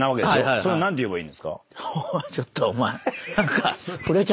それを何て言えばいいんですか？